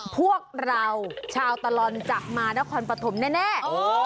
พวกเราชาวตลอดจะมานครปฐมแน่